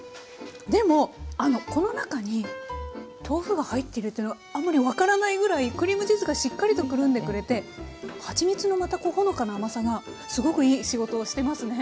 でもあのこの中に豆腐が入ってるというのがあんまり分からないぐらいクリームチーズがしっかりとくるんでくれてはちみつのまたほのかな甘さがすごくいい仕事をしてますね。